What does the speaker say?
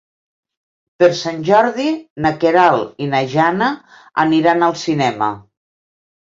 Per Sant Jordi na Queralt i na Jana aniran al cinema.